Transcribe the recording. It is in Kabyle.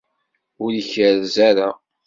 Ur ikerrez ara.